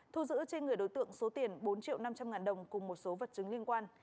thu giữ trên người đối tượng số tiền bốn triệu năm trăm linh ngàn đồng cùng một số vật chứng liên quan